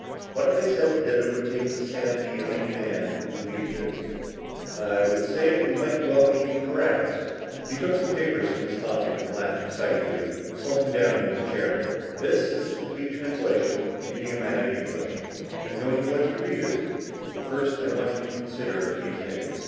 What if I said that it would take the sanity of any man who believed it?" "I would say that it might well be incorrect." He took some papers from his pocket and laughed excitedly, slumping down in the chair. "This is the complete translation in idiomatic English. I'm going to let you read it, but first I want you to consider a few things."